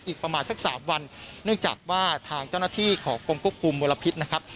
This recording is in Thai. อีกประมาณสักสามวันเนื่องจากว่าทางเจ้าหน้าที่ของกรมควบคุมมลพิษนะครับ